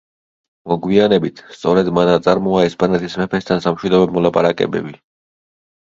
მოგვიანებით, სწორედ მან აწარმოა ესპანეთის მეფესთან სამშვიდობო მოლაპარაკებები.